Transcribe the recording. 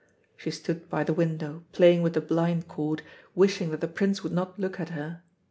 She stood by the window playing with the blind cord, wishing that the Prince would not look at her.